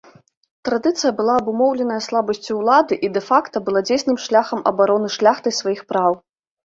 Традыцыя была абумоўленая слабасцю ўлады і дэ-факта была дзейсным шляхам абароны шляхтай сваіх праў.